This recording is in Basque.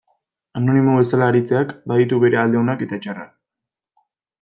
Anonimo bezala aritzeak baditu bere alde onak eta txarrak.